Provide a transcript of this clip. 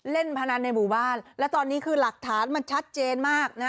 พนันในหมู่บ้านและตอนนี้คือหลักฐานมันชัดเจนมากนะ